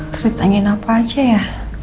terus ditanyain apa aja ya